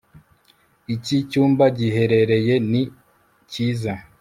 Iki cyumba giherereye ni cyiza